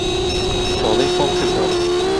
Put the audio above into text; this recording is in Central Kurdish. تۆڵەی خۆم کردەوە.